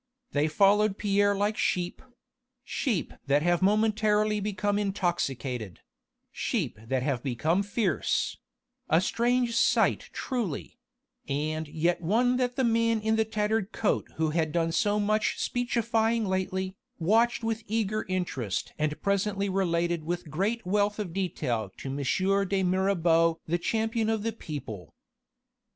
They followed Pierre like sheep sheep that have momentarily become intoxicated sheep that have become fierce a strange sight truly and yet one that the man in the tattered coat who had done so much speechifying lately, watched with eager interest and presently related with great wealth of detail to M. de Mirabeau the champion of the people.